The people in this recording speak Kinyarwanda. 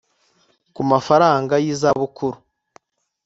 ku mafaranga yi zabukuru